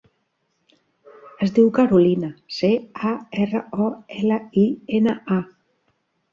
Es diu Carolina: ce, a, erra, o, ela, i, ena, a.